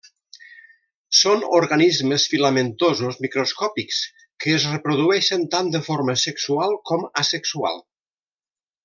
Són organismes filamentosos microscòpics que es reprodueixen tant de forma sexual com asexual.